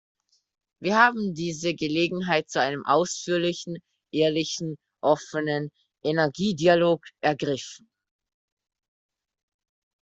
Wir haben diese Gelegenheit zu einem ausführlichen, ehrlichen, offenen Energiedialog ergriffen.